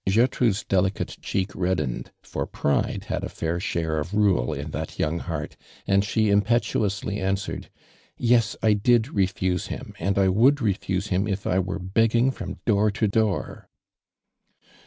(iertrude's delicate cheek reddened, for l)ride had a fair share of rule in that young hoart, and she impetuously answered : "Yes, 1 did refuse him, and I would refuse him if I,were begging from door to door!"